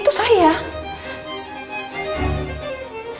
tidak akan lebih